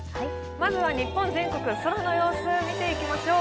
まずは日本全国、空の様子を見ていきましょう。